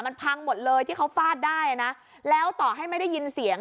มันพังหมดเลยที่เขาฟาดได้นะแล้วต่อให้ไม่ได้ยินเสียง